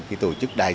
cái tổ chức đại diện